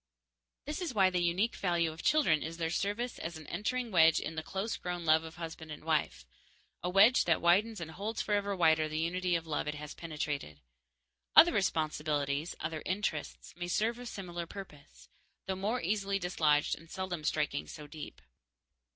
_ This is why the unique value of children is their service as an entering wedge in the close grown love of husband and wife, a wedge that widens and holds forever wider the unity of love it has penetrated. Other responsibilities, other interests, may serve a similar purpose, though more easily dislodged and seldom striking so deep.